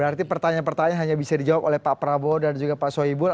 berarti pertanyaan pertanyaan hanya bisa dijawab oleh pak prabowo dan juga pak sohibul